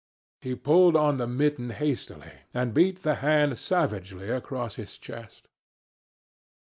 He pulled on the mitten hastily, and beat the hand savagely across his chest.